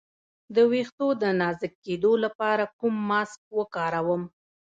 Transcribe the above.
د ویښتو د نازکیدو لپاره کوم ماسک وکاروم؟